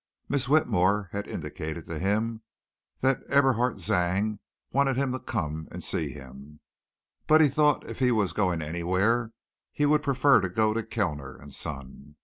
Miss Whitmore had indicated to him that Eberhard Zang wanted him to come and see him, but he thought if he was going anywhere he would prefer to go to Kellner and Son.